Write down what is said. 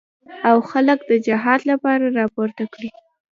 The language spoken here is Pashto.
او خلک د جهاد لپاره راپورته کړي.